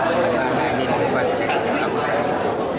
supaya anak anak ini dibebaskan aku sayang